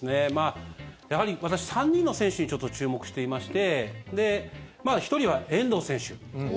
やはり私、３人の選手にちょっと注目していまして１人は遠藤選手。